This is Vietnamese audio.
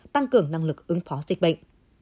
tăng cường năng lực ứng phó dịch bệnh